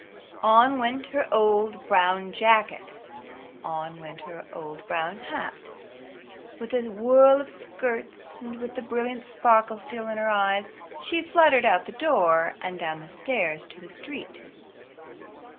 On went her old brown jacket; on went her old brown hat. With a whirl of skirts and with the brilliant sparkle still in her eyes, she fluttered out the door and down the stairs to the street.